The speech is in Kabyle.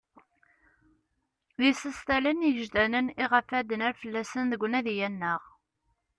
D isastalen igejdanen iɣef ad d-nerr fell-asen deg unadi-a-nneɣ.